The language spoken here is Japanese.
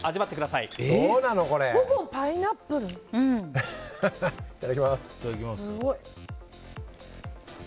いただきます。